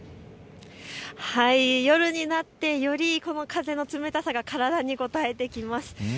夜になって、より風の冷たさが体にこたえてきます。